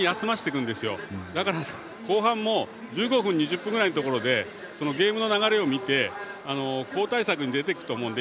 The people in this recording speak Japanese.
なので、後半も１５分、２０分ぐらいのところでゲームの流れを見て交代策に出てくると思うので。